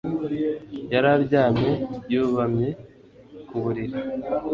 Yari aryamye yubamye ku buriri